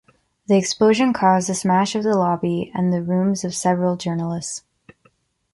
The explosion caused the smash of the lobby and the rooms of several journalists.